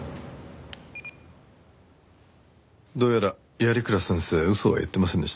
どうやら鑓鞍先生嘘は言ってませんでしたね。